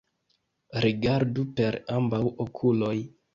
Rigardu per ambaŭ okuloj!